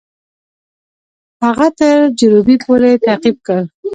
هغه تر جروبي پوري تعقیب کړ.